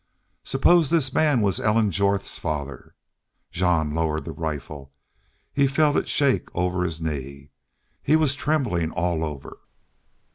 Suppose this man was Ellen Jorth's father! Jean lowered the rifle. He felt it shake over his knee. He was trembling all over.